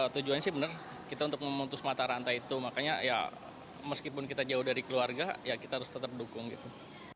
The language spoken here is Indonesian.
tujuannya sih benar kita untuk memutus mata rantai itu makanya ya meskipun kita jauh dari keluarga ya kita harus tetap dukung gitu